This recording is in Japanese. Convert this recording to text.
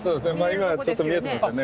今ちょっと見えてますよね。